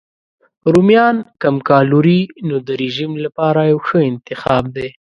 رومیان کم کالوري نو د رژیم لپاره یو ښه انتخاب دی.